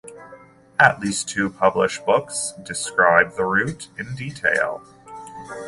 At least two published books describe the route in detail.